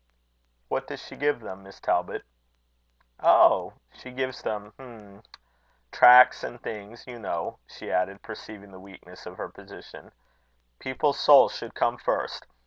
"What does she give them, Miss Talbot?" "Oh! she gives them hm m tracts and things. You know," she added, perceiving the weakness of her position, "people's souls should come first.